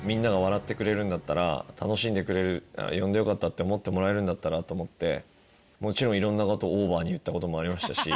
楽しんでくれる呼んでよかったって思ってもらえるんだったらと思ってもちろんいろんな事をオーバーに言った事もありましたし。